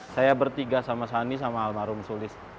saya bertiga sama sani sama almarhum sulis